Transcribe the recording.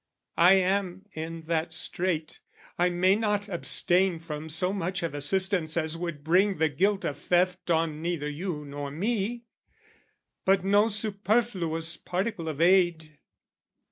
"I am in that strait, I may not abstain "From so much of assistance as would bring "The guilt of theft on neither you nor me; "But no superfluous particle of aid.